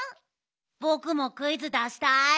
ぼくもクイズだしたい！